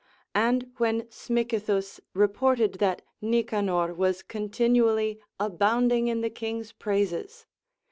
And when Smicythus reported that Nicanor was continually abounding in the king's praises.